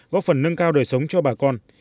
góp phần nâng cao đời sống cho bà con